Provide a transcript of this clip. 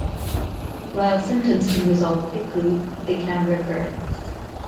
While symptoms can resolve quickly, they can recur.